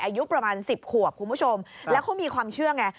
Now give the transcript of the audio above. อายุประมาณ๑๐ขวบคุณผู้ชมแล้วเขามีความเชื่อไง